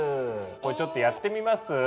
これちょっとやってみます？